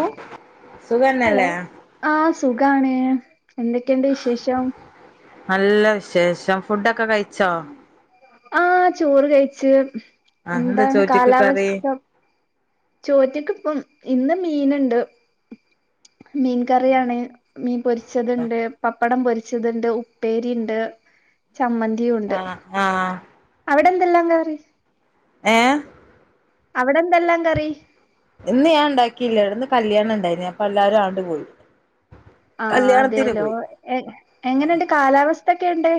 എഹ് hello സുഖന്നല്ലേ ആ സുഖാണ് എന്തൊക്കെയുണ്ട് വിശേഷം നല്ല വിശേഷം ഫുഡൊക്കെ കഴിച്ചോ ആ ചോറ് കഴിച്ച് ആഹ് എന്താ എന്താണ് ചോറ്റ്ക്ക് കറി കാലാവസ്ഥ ചോറ്റക്ക്‌പ്പം ഇന്ന് മീന്ണ്ട് മീൻ കറിയാണ് മീൻ പൊരിച്ചതുണ്ട് പപ്പടം പൊരി ച്ചതുണ്ട് ഉപ്പേരി ഉണ്ട് ചമ്മന്തി ഉണ്ട് ആഹ് ആഹ് അവിടെ എന്തേല്ലാം കറി ഏഹ് അവിടെന്തെല്ലാം കറി ഇന്ന് ഞാൻ ഉണ്ടാക്കിയില്ല ഇന്ന് കല്യാണം ഇണ്ടായിനിം അപ്പൊ എല്ലാരും ആണ്ട് പോയി ആ കല്യാണത്തിന് അതെയലോ പോയി എ എങ്ങനെയുണ്ട് കാലാവസ്ഥ ഒക്കെ ഏണ്ട്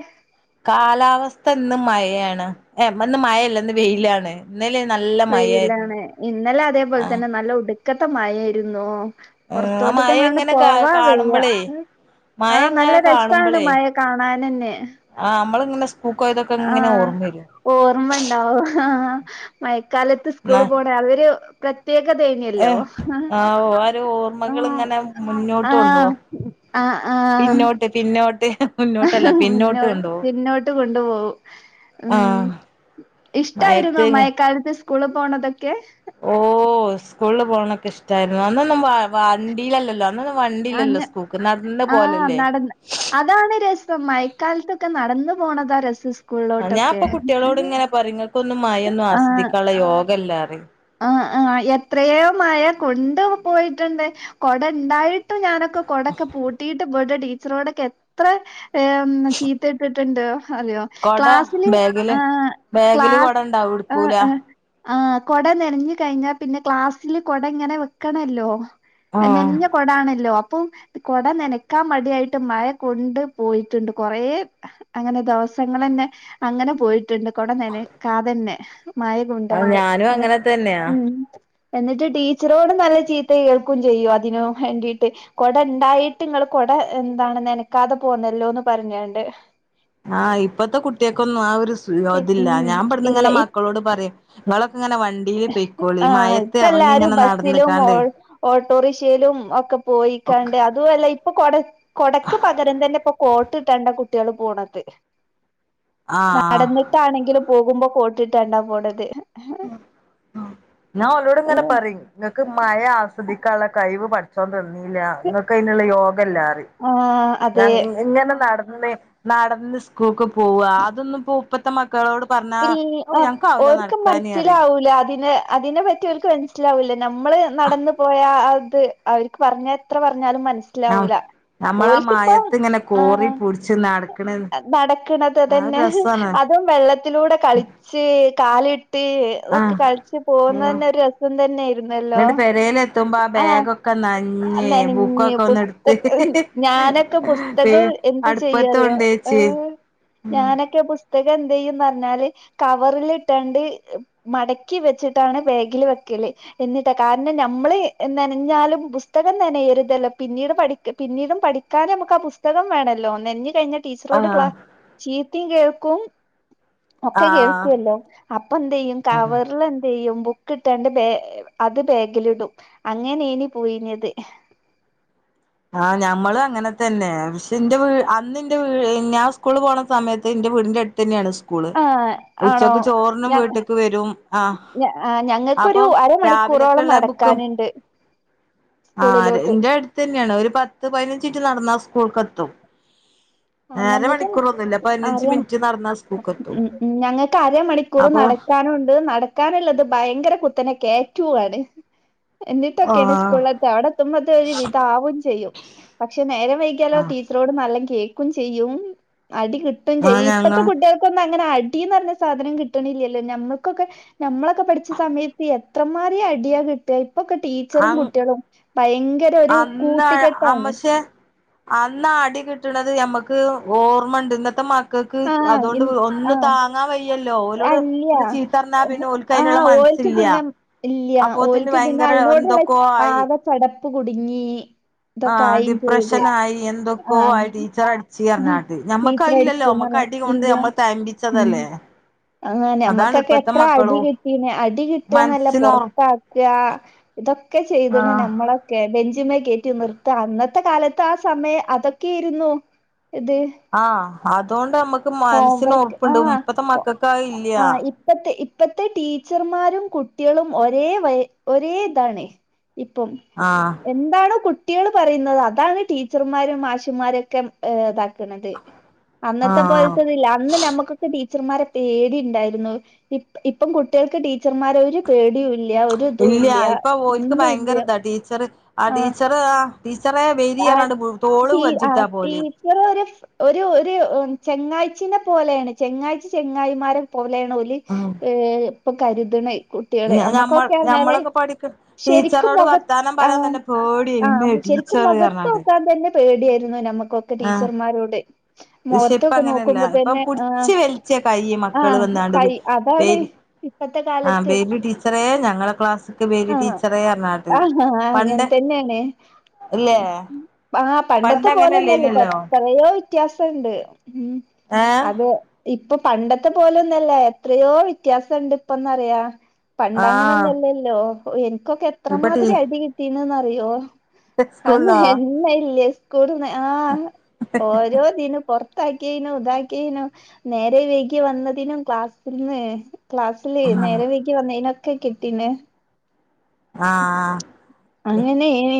കാലാവസ്ഥ ഇന്ന് മഴയാണ് ഏഹ് ഇന്ന് മഴല്ലന്ന് വെയിലാണ് ഇന്നലെന വെയിലാണ് ഇന്നലെ അതേപോലെ ആഹ് തന്നെ നല്ല ഉടുക്കത്ത മഴ ആയിരുന്നു ആഹ് പുറത്തോട്ടക്കെ മഴ അങ്ങട്ട് ഇങ്ങനെ കാ പോവാൻ വെയ്യ കാണുമ്പളേ മഴ ആഹ് നല്ല ഇങ്ങനെ രസാണ് മഴ കാണാനെന്നെ ആ അമ്മള്ങ്ങനെ സ്കൂക്കോയതൊക്കെങ്ങനെ ഓർമ്മ വരും ഓർമ്മണ്ടാവും ഹാ മഴക്കാലത്ത് സ്കൂള് ന പോണെ അതൊരു പ്ര ത്യേക തേനില്ലോ ഏഹ് ആഹ് ഓരോ ഓർമ്മകൾ ആഹ് ഇങ്ങനെ മുന്നോട്ട് അഹ് ആഹ് ക്കെ പിന്നോട്ട് മുന്നോട്ടല്ല പിന്നോട്ട് മുന്നോ കൊണ്ടോവും പിന്നോട്ട് കൊണ്ടു പോവും ഉം ആഹ് ഇഷ്ടായിരുന്നോ മഴയത്ത് മഴക്കാലത്ത് സ്കൂള് പോണതൊക്കെ ഓഹ് സ്കൂളിൽ പോണൊക്കെ ഇഷ്ടായിരുന്നു അന്നന്നും വ വണ്ടീലല്ലല്ലോ അന്നന്നും വണ്ടില്ലല്ലോ ആഹ് സ്കൂക്ക് നടന്ന് ആഹ് പോലെല്ലേ നടന്ന് അതാണ് രസം മഴക്കാലത്തൊക്കെ നടന്ന് പോണതാ രസം സ് ആഹ് ഞാൻ ഇപ്പൊ കുട്ട്യാളോട് ഇങ്ങനെ പറിം ഇങ്ങക്കൊന്നും മയൊന്നും ആഹ് ആസ്വദിക്കാള്ള യോഗല്ല റിം ആഹ് ആഹ് എത്രയോ മഴ കൊണ്ട് പോയിട്ടുണ്ട് കൊടണ്ടായിട്ടും ഞാനൊ ക്കൊ കൊടക്കെ പൂട്ടീട്ട് പോയിട്ട് ടീച്ചറോടൊക്കെ എത്ര ഏഹ് ചീത്തകി ട്ട്ണ്ട് അറിയോ കൊട ക്ലാസില് ബാഗില് ഏഹ് ക്ലാ ബാഗില് കൊട ഇണ്ടാവും ഏഹ് ഇട്ക്കൂല ഏഹ് ആഹ് കൊട നൻഞ് കഴിഞ്ഞാ പിന്നെ ക്ലാസ്സില് കൊടങ്ങനെ വെക്കണല്ലോ എ ആഹ് നൻഞ കൊടാണല്ലോ അപ്പം കൊട നനക്കാൻ മടിയായിട്ട് മഴ കൊണ്ട് പോയിട്ട്ണ്ട് കൊറേ അങ്ങനെ ദോവസങ്ങളെന്നെ അങ്ങനെ പോയി ട്ട്ണ്ട് കൊടനനക്കാതെന്നെ മയ കൊണ്ടാണ്ട് പ്പ എന്നി അങ്ങനെ തന്നെയാ ഉം എന്നിട്ട് ടീച്ചറോടും നല്ല ചീത്ത കേൾക്കും ചെയ്യും അതിനു വേണ്ടീട്ട് കൊടണ്ടായിട്ട് ഇങ്ങള് കൊട എന്താണ് നനക്കാതെ പോന്നല്ലോന്ന് പറഞാണ്ട് ആഹ് ഇപ്പത്തെ കുട്ട്യാക്കൊന്നും ആ ഒരു സ് ഇതില്ല ഉം ഞാൻ ഇവട്ന്ന് ഇല്ല ഇങ്ങനെ മക്കളോട് പറിം ഇങ്ങളൊക്കെ ഇങ്ങനെ വൺ ആഹ് ഇപ്പ എല്ലാരും ബസ്സിലും ഓ നടന്നിക്കാണ്ട് ഓട്ടോറിക്ഷയിലും ഒക്കെ പോയിക്കാണ്ട് അത് അതുല്ല ഇപ്പൊ കൊട കൊടക്ക് പകരം തന്നെ ഇപ്പൊ കോട്ട് ഇട്ടാണ്ടാ കുട്ട്യാള് പോണത് ആഹ് നടന്ന്ട്ടാണെങ്കിലും പോകുമ്പോ കോട്ട്ട്ടാണ്ടാ പോണത് ആഹ് ആഹ് ഞാൻ ഓലോട് ഇങ്ങനെ പറിം ഇങ്ങക്ക് മഴ ആസ്വദിക്കാള്ള കഴിവ് പട് ച്ചോൻ തന്നീല്ലാ ഇങ്ങക്ക് അയ്ന്ള്ള യോഗല്ലാറിം ആഹ് അതെ ആഹ് ഇ ഇങ്ങനെ നടന്ന് നടന്ന് സ്കൂക്ക് പോവാ അതൊന്നും പ്പൂ ഇപ്പത്തെ മക്കളോട് പറഞ്ഞാ ഇല്ൽ ഓ ആഹ് ഞങ്ങക്കാവൂല ഓര്ക്ക് നടക്കാന് പറയും മനസ്സിലാവൂല അതിനെ അതിനെ പറ്റി ഓര്ക്ക് മൻ സിലാവൂല്ല നമ്മള് നടന്ന പോയ ആഹ് ത് അവർക്ക് പറഞ്ഞ എത്ര പറഞ്ഞാലും മനസ്സിലാവൂല നമ്മളാ ഓൽക്ക് പ്പം മയത്ത് ഇങ്ങനെ കോറി ആഹ് പുടിച്ച് നടക്കണ നടക്ക്ണത് ആ ഒരു അതന്നെ രസാണ് അതും വെള്ളത്തിലൂടെ കളിച്ച് കാലിട്ട് അതൊക്കെ കളിച്ച് പോകുന്ന ആഹ് തന്നെ ഒരു രസം തന്നെയിരുന്നല്ലോ എന്നിട്ട് പെരേലെത്തുമ്പോ ആ ആഹ് ബാഗൊക്കെ നഞ്ഞ് നനഞ്ഞ് ബുക്കൊക്കെ ഒന്ന് ബുസ്ത എടുത്ത് ഞാനൊക്കെ പി ബുസ്തക് എന്ത് അടുപ്പത്ത് ചെയ്യാറിയോ കൊണ്ടേച്ച് ഏഹ് ഞാനൊക്കെ പുസ്തകം എന്തെയ്യും ന്ന റിഞ്ഞാല് കവറ്ല് ഇട്ടാണ്ട് മടക്കി വെച്ട്ടാണ് ബാഗിൽ വെക്കല് എന്നിട്ടാ കാരണം നമ്മള് നനഞ്ഞാലും പുസ്തകം നനയരുതല്ലോ പിന്നീട് പഠിക്ക പിന്നീടും പഠി ക്കാന് ഞമ്മക്ക് ആ പുസ്തകം വേണല്ലോ നെൻഞ്ഞ് കഴിഞ്ഞാ ടീച്ചറോട് ആഹ് ക്ലാസ് ചീത്തിം കേക്കും ഒക്കെ ആഹ് കേൾക്കുവല്ലോ അപ്പ എന്തെയ്യും കവറ്ല് എന്ത് ചെയ്യും ബു ക്ക്ട്ടാണ്ട് ബേ അത് ബാഗിലിടും അങ്ങനെനി പോയിനത് ആഹ് ഞമ്മളും അങ്ങനെ തന്നെ പക്ഷെ ഇന്റെ വീ അന്ന് ഇന്റെ വീ ഞാൻ സ്കൂള് പോണ സമയത്ത് ഇന്റെ വീടിന്റെട് ത്തന്നേണ് സ്കൂള് ഏഹ് ആണോ ഉച്ചക്ക് ചോറിനും ഞ വീട്ട്ക്ക് വരും ആഹ് ഞ ആഹ് ഞങ്ങക്കൊരു അപ്പം അരമണിക്കൂറോളം നടക്ക ക്കാന്ണ്ട് ആര് ഇന്റെട് ത്തെന്നേണ് ഒരു പത്ത് പയിനഞ്ചിൻറ്റ് നടന്നാ സ്കൂൾക്കത്തും ആഹ് ഞങ്ങക്ക് പതിനഞ്ച് അരം മിനിറ്റ് നടന്നാ സ്കൂൾക്കെത്തും ഉം ഉം ഞങ്ങക്ക് അര മണി കുറെ അപ്പൊ നടക്കാനുംണ്ട് നടക്കാനുള്ളത് ഭയങ്കര കുത്തനെ കേറ്റുവാണ് എന്നിട്ടൊക്കെയാണ് ആഹ് സ്കൂളെത്ത ആടെത്തുമ്പത്തേന് ഒരു വിധ ആവും ചെയ്യും പക്ഷെ നേരം വൈകിയാലോ ആഹ് ടീ ച്ചറോട് നല്ല കേക്കും ചെയ്യും അടി കിട്ടും ആ ചെയ്യും ഞങ്ങ ഇപ്പത്തെ കുട്ടികൾ ഇപ്പൊന്നും അങ്ങനെ അടീന്ന് പറഞ്ഞ സാധനം കിട്ടണില്ലല്ലോ നമ്മൾക്കൊക്കെ നമ്മളൊക്കെ പഠിച്ച സമയത്ത് എത്രമാതിരി അടിയാ കി ട്ടാ ഇപ്പൊക്കെ ടീച്ചറും അങ് കുട്ടികളും ഭയങ്കര ഒരു കൂട്ടുകെട്ടാണ് അന്നാ അടി കിട്ടണത് ഞമ്മക്ക് ഓർമ്മണ്ട് ഇന്നത്തെ മ ക്കക്ക് ആഹ് അതോണ്ട് ഇൻ ഒന്നും ആഹ് താ ങ്ങാൻ വയ്യല്ലോ ഓലോട് അല്ല ഒന്ന് ചീത്തറഞ്ഞാ പിന്നെ ഓൽക്ക് ആ അയ്നുള്ള ഓൽക്ക് മനസ്സില്ലാ പിന്നെ ഇല്ല്യ അപ്പോത്തിന് ഭയങ്കര എന്തൊക്കോ ആയി കടപ്പ് കുടുങ്ങീ ആഹ് ഡിപ്രഷന് ആയി എന്തൊക്കോ ആഹ് ആയി ടീച്ചർ അടിച്ചു പറഞ്ഞാട്ട് ഞമ്മക്കത് ഇല്ലല്ലോ ടീച്ചറടിച്ച്ന്ന് പറ നമ്മക്ക് അടി ടി കൊണ്ട് ഇല്ല നമ്മള് ഉം തഴമ്പിച്ചതല്ലേ അങ്ങനെ അതാണ് നമ്മക്കൊക്കെ ഇപ്പത്തെ എത്ര അടി മക്കളും കിട്ടീണ് അടി കിട്ടാന്നല്ല മനസ്സിന് ഒറ പൊറത്താക്കാ ഇതൊക്കെ ചെയ്തണ് ആഹ് നമ്മൾ ളൊക്കെ ബെഞ്ചിമ്മെ കേറ്റി നിർത്ത അന്നത്തെ കാലത്ത് ആ സമയം അതൊക്കെ ആയിരുന്നു ഇത് ആഹ് അതുകൊണ്ട് നമ്മക്ക് മനസ്സിന് ഹോംവർക്ക് ഒറപ്പുണ്ട് ആഹ് ഇപ്പത്തെ മക്കൾക്ക് അത് ഇല്ല ആഹ് ഇ ഇപ്പത്തെ ഇപ്പത്തെ ടീച്ചർമാരും കുട്ടികളും ഒരേ വയ ഒരേ ഇതാണ് ഇപ്പം ആഹ് എന്താണോ കുട്ട്യാള് പറയുന്നത് അതാണ് ടീച്ചർമാരും മാഷമ്മാരൊക്കെ ഏഹ് ഇതാക്കണത് അന്നത്തെ ആഹ് പോലത്തെതില്ല അന്ന് നമ്മുക്കൊക്കെ ടീ ടീച്ചർമാരെ പേടി ഉണ്ടായിരുന്നു ഇപ്പം ഇപ്പം കുട്ടികൾക്ക് ടീച്ചർമാര ഒരു പേടിയൂല്ല ഇല്ല ഇപ്പൊ ഓൽക്ക് ഭയങ്കര ഇതാ ടീച്ചറ് ആ ടീച്ചർ ആ ടീച്ചറെ വരീം പറഞ്ഞാണ്ട് തോളില് കജ്ജിട്ടാ പോവല് ടീച്ചറെ ഒരു ഒരു ഒരു ചെങ്ങാഴ്ചിന്റെ പോലെയാണ് ചെങ്ങാഴ്ച്ചി ചെങ്ങായിമാരെ പോലെയ് ണോല് ഉം ഏഹ് ഇപ്പം കരുത്ണത് കുട്ട്യാള് ഞമ്മൾ നമ്മക്കൊക്കെ പറഞ്ഞാല് ഞമ്മളൊക്കെ പഠിക്ക ശരിക്കും ടീച്ചറോട് മൊഖ വർത്താനം പറയാൻ ആഹ് തന്നെ പേടിയേനി ഇമ്മേ ആഹ് ശെരിക്കും ടീച്ചറ് മുഖത്ത് പറഞ്ഞാണ്ട് നോക്കാൻ തന്നെ പേടിയായിരുന്നു നമുക്ക് ഒക്കെ ആഹ് ടീച്ചർമാരോട് പക്ഷെ ഇപ്പ മുഖത്തൊക്കെ അങ്ങനെയല്ല നോക്കുമ്പോ ഇപ്പൊ തന്നെ ആഹ് പുടിച്ച് ആഹ് കൈ അതാണ് ബേരി ഇപ്പത്തെ ആ കാലത്ത് ബെരി ടീച്ചറേ ഞങ്ങളെ ക്ലാസ്സിക്ക് ബെരി ടീച്ചറേ പറഞ്ഞാ ആഹാ അങ്ങനെ തന്നെയാണ് ഇല്ലേ ആഹ് പണ്ട് പണ്ടത്തെ പോലെന്നല്ല പ അങ്ങനെല്ലേനല്ലോ കൊറയേ വ്യത്യാസംണ്ട് ഉം ഏ അത് ഇപ്പൊ പണ്ടത്തെ പോലൊന്നല്ല എത്രയോ വ്യത്യാസംണ്ട് ഇപ്പൊന്നറിയ പണ്ട് അങ്ങനെ ആഹ് ഒന്നുംല്ലല്ലോ എനിക്കൊക്കെ ഇപ്പൊ ടീ എത്രമാതിരി അടി കിട്ടീന്ന് അറിയോ അന്ന് സ്കൂളിലോ എണ്ണ ഇല്ലേ സ്കൂന്ന് ആ ഓരോ തിനുംപൊറ ത്താക്കീനു ഉതാക്കിനും നേരം വൈകി വന്നതിനും ക്ലാസ്ൽന്ന് ക്ലാസ് അല്ലേ നേരം വൈകി വന്നതിനൊക്കെ കിട്ടീണ് ആഹ് ആഹ് അങ്ങനെ ആണ്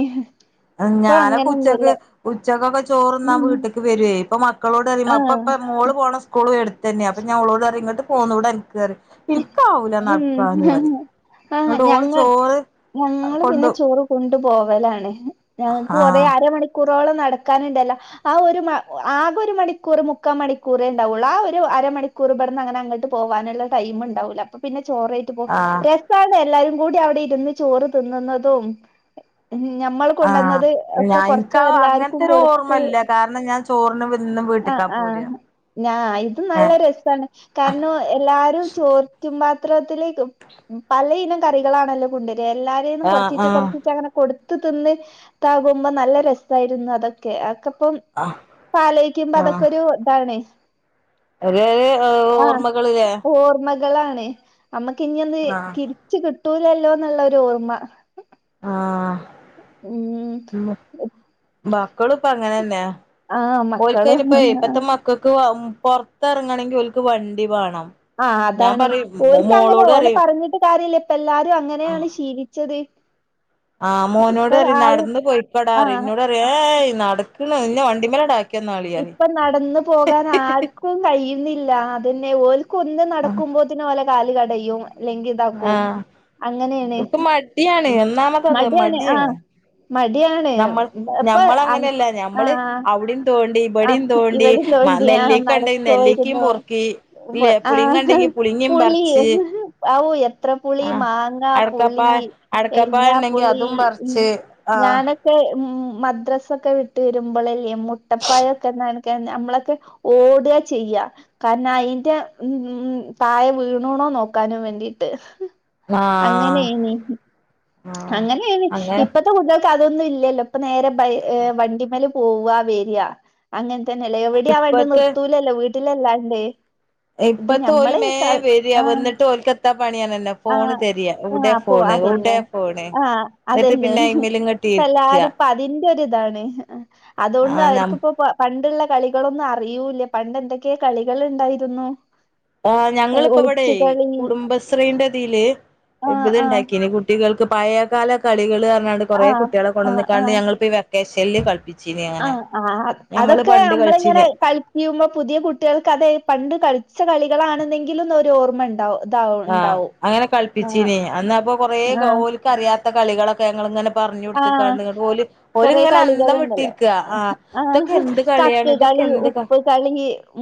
അത് ഞാനൊക്കെ ഉച്ചക്ക് ഉച്ചക്കൊക്കെ ചോറ്ന്നാ ഉം വീട്ട്ക്ക് വരോയ് ഇപ്പൊ മക്കളോട് പറയും ഇമ്മ ആഹ് ഇപ്പ മോള് പോണ സ് കൂളും എടുത്ത് തന്നാ അപ്പ ഞാൻ ഓളോട് പറയും ഇങ്ങട്ട് പോന്നൂടെ അനക്ക് പറയും ഇൻക്കാവൂല ഉം നടക്കാന് പറയും ആഹ് ഇന്നിട്ട് ഓള് ഞങ്ങ ചോറ് കൊണ്ട് കൊണ്ടുപോവലാണ് ഞങ്ങൾക്ക് കൊറെ ആഹ് അരമണിക്കൂറോളം നടക്കാനുണ്ടല്ല ആ ഒരു മ ആകെ ഒരു മണിക്കൂർ മുക്കാ മണിക്കൂറെ ഇണ്ടാവുള്ളു ആ ഒരു അരമണി കുറുപടന്ന് അങ്ങനെ അങ്ങട്ട് പോവാനുള്ള ടൈം ഇണ്ടാവൂല്ലാ അപ്പൊ പിന്നെ ചോറു ആയിറ്റ് പോ ആഹ് ര രസാണ് എല്ലാരും കൂടി അവിടെ ഇരുന്ന് ചോറ് തിന്നുന്നതും ഉം ഞമ്മള് ആഹ് കൊണ്ടന്നത് ഒക്കെ ഞാൻ കൊറച്ച് ഇൻക്ക് എല്ലാര്ക്കും അങ്ങനത്തെ ഒരു കൊടുത്ത് ഓർമ്മല്ല കാരണം ഞാൻ ചോറിന് എന്നും ആഹ് വീട്ട്ക്കാ പോരാ ആഹ് ഞാ ഇതും നല്ല ഏഹ് രസാണ് കാരണം എല്ലാരും ചോറ്റും പാത്രത്തില് ക് ഉം പലയിനം കറികളാണല്ലോ കൊണ്ടെര് എല്ലാരേന്നും ആഹ് കൊറചീച്ചേ കൊറചീച്ചേ അങ്ങനെ കൊടുത്ത് തിന്ന് ഇതാകുമ്പോ നല്ല രസായിരുന്നു അതൊക്കെ ആക്കെപ്പം ആഹ് ഇപ്പം അലോയിക്കുമ്പോ അതൊക്കെ ഒരു ഇതാണെ ഒര് ഏഹ് ഓർമ്മകള്ല്ലേ മകളാണ് അമ്മക്ക് ഇഞ്ഞിയൊന്ന് ആഹ് തിരിച്ച് കിട്ടൂലല്ലോന്നുള്ളൊരു ഓർമ്മ ആഹ് ഉം [unintelligible] മക്കളും ഇപ്പം അങ്ങനെന്നെയാ ആഹ് മക്കളും ഓലിക്കയിനിപ്പെ ഇപ്പത്തെ മക് മക്കക്ക് ആഹ് പൊറത്ത് എറങ്ങണെങ്കി ഓല്ക്ക് വണ്ടി വേണം ആഹ് ഞാൻ അതാണ് പറയും ഓൽക്ക് അങ്ങനെ മോളോട് ഓലെ പറയും പറഞ്ഞിട്ട് കാര്യെല്ലാ ഇപ്പം എല്ലാരും അങ്ങനെയാണ് ശീലിച്ചത് ആഹ് മോനോട് ഇപ്പൊ പറിയും ആരും നടന്ന് പൊയിക്കോടാ പറിയും ആഹ് ഇന്നോട് പറിയും ഏയ് നടക്ക്ണ് ഇന്നേ വണ്ടീമ്മലടാക്കി ഇപ്പം നടന്നു പോകാൻ ആര്ക്കും ക്കും കഴിയുന്നില്ല ക അതന്നെ ഓൽക്ക് ഒന്നും നടക്കുമ്പോത്തിന് ഓലെ കാല് കടയും അല്ലെങ്കി ഇതാക്കും ആഹ് അങ്ങനെയാണ് ഓൽക്ക് ഉം മടിയാണ് ഉം ഒന്നാമത് അത് മടിയാണ് ആഹ് മടിയാണ് നമ്മൾ ഇപ്പൊ അ ആഹ് ഞമ്മളങ്ങനെയല്ല ഞമ്മള് ആഹ് അവിടെയും തോണ്ടി ഇബടിയും ആഹ് തോണ്ടി ഇവിടേം മ തോണ്ടി ആഹ് നെല്ലിക്ക ഉണ്ടെങ്കി നെല്ലിക്കയും നടക്കുവായിരുന്നു പൊറുക്കി ഇല്ലേ [unintelligible] പുളിങ്ങ ആഹ് ഉണ്ടെങ്കി പുളിങ്ങയും പുളി പറിച്ച് ആവൂ എത്ര പുളി ആഹ് മാങ്ങാ, പുളി, അടക്കപ്പാ അടക്കപ്പായ ഉണ്ടെങ്കി എരിഞ്ഞാപ്പുളി അതും ഉം പറിച്ച് ആഹ് ഞാനെക് ക്കേ ഉം മദ്രസൊക്കെ വിട്ട് വെരുമ്പളേ മു മുട്ടപ്പഴൊക്കെ [unintelligible] നമ്മളൊക്കെ ഓടാ ചെയ്യാ കാരണം അയിന്റെ ഉം ഉം തായെ വീണൂണോ നോക്കാനും വേണ്ടീട്ട് ആഹ് അങ്ങനെയേനി ആഹ് അങ്ങനെയേനി ഇപ്പത് അങ്ങനെ ഇപ്പത്തെ കുട്ട്യേൾക്ക് അതൊന്നും ഇല്ലല്ലോ ഇപ്പൊ നേരെ ബൈ ഏഹ് വണ്ടിമ്മെല് പോവാ വെരാ അങ്ങൻത്തെന്നെയല്ലേ എവിടേം ആ വണ്ടി ഇപ്പത്തെ നിർത്തൂലല്ലോ വീട്ടിലല്ലാണ്ട് ഇത് ഇപ്പത്തെ ഓല് ഞമ്മള് ക വേം വെരാ ആഹ് വന്നിട്ട് ഓൽക്കെന്താ പണി [unintelligible] ഫോണ് ആഹ് തെരയ ആഹ് എവിടെ അപ്പൊ ഫോണ് എവിടെ അതന്നെ ഫോണ് ആഹ് എന്നിട്ട് പിന്നെ അതെന്നെയാണ് അയിമേലിങ്ങട്ട് ഇപ്പൊ ഇരിക്കുക എല്ലാരും ഇപ്പ അതിന്റെ ഒരു ഇതാണ് ആഹ് അതുകൊണ്ട് ആഹ് നം അവര്ക്കിപ്പം ഇപ്പം പണ്ടുള്ള കളികളൊന്നും അറിയൂല്ലാ പണ്ട് എന്തെക്കെയെ കളികൾ ഇണ്ടായിരുന്നു ആഹ് ഞങ്ങളിപ്പം ഇവടേ കുടുംബശ്രീന്റെ ഇതില് ഇപ് ആഹ് ഇത് ആഹ് ഇണ്ടാക്കീന് കുട് കുട്ടികൾക്ക് പഴയകാല കളികള് പറഞ്ഞാണ്ട് കൊറെ ആഹ് കുട്ടികളെ ആഹ് കൊണ്ടന്ന്ക്കാണ്ട് ആഹ് ഞങ്ങളിപ്പോ ഈ വെക്കേഷനില് കളിപ്പി ആഹ് ആഹ് അത് അതൊക്കെ നമ്മളിങ്ങനെ കളിച്ചീന് കളി ചെയ്യുമ്പോ പുതിയ കുട്ടികൾക്ക് അത് പണ്ട് കളിച്ച കളികളാണ്ന്നെങ്കിലുന്നൊരു ഓർമ്മ ഇണ്ടാവും ആഹ് അങ്ങനെ കളിപ്പിച്ചീനി അന്ന് അപ്പ കൊറേ കൊ ആഹ് ഓല്ക്ക് അറിയാത്ത കളികളൊക്കെ ഞങ്ങള് ഇങ്ങനെ പറഞ്ഞു ആഹ് കൊടുത്ത്ക്കാണ്ട് ഓല് ഓല് കൊറെ ഇങ്ങനെ അന്തം കളികളുണ്ടല്ലോ വിട്ടിരിക്കാ ആഹ് ഇതൊക്കെ ആഹ് എന്ത് കളിയാണ് കക്ക് ഇതൊക്കെ കളി എന്ത് ക ഉപ്പ് കളി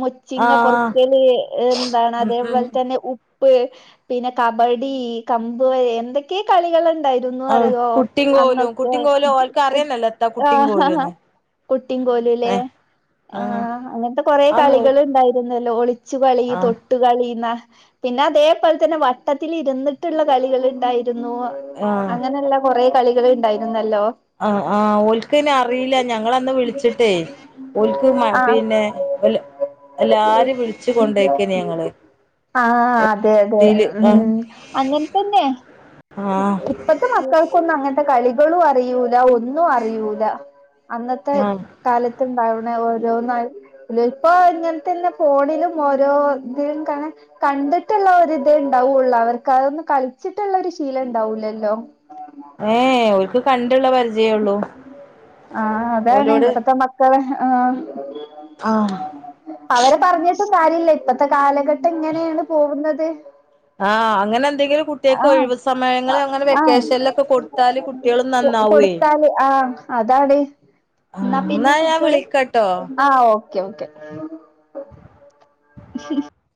മുച്ചിങ്ങ ആഹ് പെറ്ക്കല് എന്താണ് ഉം ഉം അതേപോലെ തന്നെ ഉപ് ഉപ്പ് പിന്നെ കബഡി കമ്പ് എന്തെക്കെയെ കളികള്ണ്ടായിരുന്നു ആഹ് അറിയോ കുട്ടീം കോലും അന്നൊക്കെ കുട്ടീം കോലും ഓൽക്ക് കുട് അറിയന്നല്ല എത്താ കുട്ടീം ആഹ് കോലുംന്ന് കുട്ടിയും കോലൂല്ലേ ഏഹ് ആഹ് അങ്ങൻത്തെ കൊറെ അത് നോ കളികൾ ഇണ്ടായിരുന്നല്ലോ ഒളിച്ചു കളി തൊട് ആഹ് തൊട്ട് കളി നാ പിന്നെ അതേപോലെ തന്നെ വട്ടത്തിൽ ഇരുന്നിട്ടുള്ള കളികൾ ഇണ്ടായിരുന്നു ആഹ് അങ്ങനെയല്ല കൊറെ കളികൾ ഉണ്ടായിരുന്നല്ലോ ആഹ് ആഹ് ഓൽകായിന് അറിയില്ല ഞങ്ങളന്ന് വിളിച്ചിട്ടേ ഒല്ക്ക് ആഹ് പിന്നെ എല്ലാരും വിളിച്ചു കൊണ്ടോയ്ക്കേനി ഞങ്ങള് ആഹ് അതെ അതെ ഇതില് ആഹ് ഉം അങ്ങനെ തന്നെ ആഹ് ഇപ്പ ഇന്നത്തെ മക്കൾക്കൊന്നും അങ്ങനത്തെ കളികളും അറിയൂല ഒന്നും അറയിൂല അന്നത്തെ ആഹ് കാലത്തുണ്ടാവണ ഓരോന്നായി ഇപ്പോ ഇങ്ങനത്തന്നെ ഫോണിലും ഓരോതിലും കണ കണ്ടിട്ടുള്ള ഒരി ഇതേ ഉണ്ടാവുള്ളൂ അവർക്ക് അതൊന്നും കളിച്ചിട്ടുള്ള ഒരു ശീലം ഉണ്ടാവൂലല്ലോ ഏഹ് ഓൽക്ക് കണ്ട്ള്ള പരിചയേ ഒള്ളൂ ഓലോട് കളെ ആഹ് ആഹ് അവരെ പറഞ്ഞിട്ടും കാര്യില്ല ഇപ്പത്തെ കാലഘട്ടം ഇങ്ങനേണ് പോവുന്നത് ആഹ് അങ്ങനെന്തെങ്കിലും കുട്ടിയക്ക് ഒഴിവ് സമയങ്ങള് അങ്ങനെ വെക്കേഷൻലൊ കൊ കൊടുത്താല് ആഹ് അതാണ് എന്നാ ആഹ് പിന്നെ ന്നാ ഞാൻ കുട്ടിയള് വിളിക്കട്ടോ ആഹ് ഓഹ് ക്കെയോക്കെ